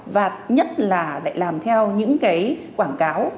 và nhất là lại làm theo những cái quảng cáo